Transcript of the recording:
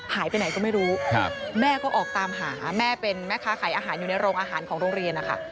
หายไปไหนก็ไม่รู้แม่ก็ออกตามหาแม่เป็นแม่ค้าขายอาหารอยู่ในโรงอาหารของโรงเรียนนะคะ